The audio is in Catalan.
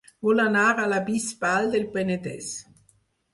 Vull anar a La Bisbal del Penedès